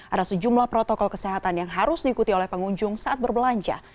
ada sejumlah protokol kesehatan yang harus diikuti oleh pengunjung saat berbelanja